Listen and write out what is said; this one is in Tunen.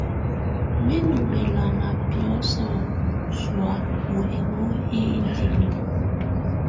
Mɛ ndù bɛlama biɔ̀sɔ sɔ̀á u hino hi indili.